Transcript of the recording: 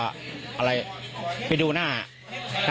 กลุ่มวัยรุ่นกลัวว่าจะไม่ได้รับความเป็นธรรมทางด้านคดีจะคืบหน้า